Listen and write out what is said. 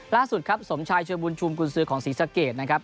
ล่าสุดครับสมชายเชอร์บุญชุมกุญศือของศรีสะเกดนะครับ